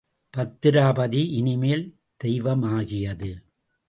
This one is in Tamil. பத்திராபதி இனிமேல் தெய்வமாகியது.